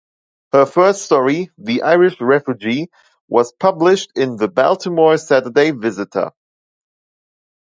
Her first story, "The Irish Refugee", was published in the "Baltimore Saturday Visiter".